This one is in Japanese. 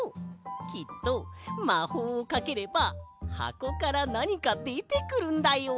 きっとまほうをかければはこからなにかでてくるんだよ。